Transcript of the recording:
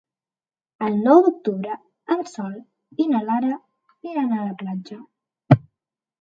El nou d'octubre en Sol i na Lara iran a la platja.